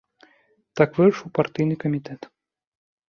Так вырашыў партыйны камітэт.